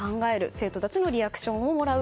生徒たちのリアクションをもらう。